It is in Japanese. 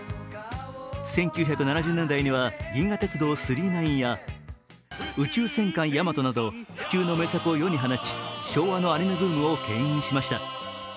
１９７０年代には「銀河鉄道９９９」や「宇宙戦艦ヤマト」など不朽の名作を世に放ち昭和のアニメブームをけん引しました。